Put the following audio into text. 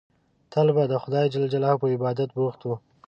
تل به د خدای جل جلاله په عبادت بوخت وو.